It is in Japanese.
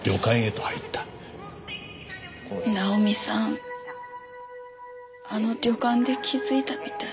ナオミさんあの旅館で気づいたみたい。